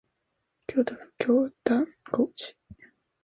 京都府京丹後市